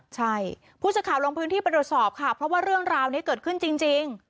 ใช่ผู้สื่อข่าวลงพื้นที่ไปตรวจสอบค่ะเพราะว่าเรื่องราวนี้เกิดขึ้นจริง